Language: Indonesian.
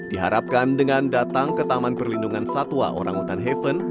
diharapkan dengan datang ke taman perlindungan satwa orangutan haven